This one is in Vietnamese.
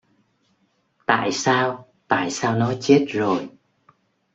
Tại sao tại sao nó chết rồi